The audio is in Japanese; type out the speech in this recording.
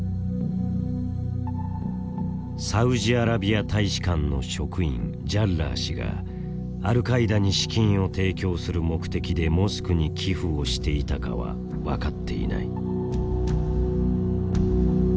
サウジアラビア大使館の職員ジャッラー氏がアルカイダに資金を提供する目的でモスクに寄付をしていたかは分かっていない。